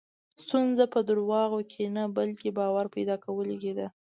ستونزه په دروغو کې نه، بلکې باور پیدا کولو کې ده.